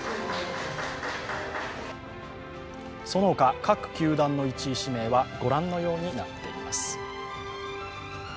そのほか各球団の１位指名はご覧のようになっています。